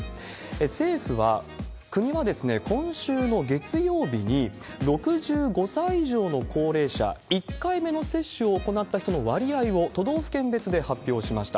政府は、国は今週の月曜日に、６５歳以上の高齢者、１回目の接種を行った人の割合を都道府県別で発表しました。